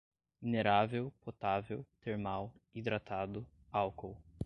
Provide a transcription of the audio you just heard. minerável, potável, termal, hidratado, álcool